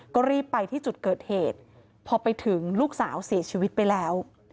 ก็รีบไปที่จุดเกิดเหตุพอไปถึงลูกสาวเสียชีวิตไปแล้ว